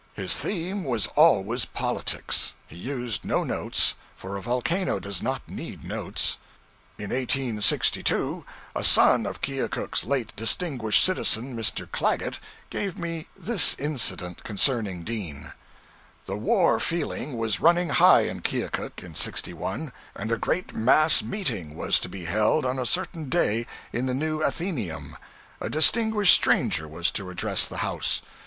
His theme was always politics. He used no notes, for a volcano does not need notes. In 1862, a son of Keokuk's late distinguished citizen, Mr. Claggett, gave me this incident concerning Dean The war feeling was running high in Keokuk (in '61), and a great mass meeting was to be held on a certain day in the new Athenaeum. A distinguished stranger was to address the house.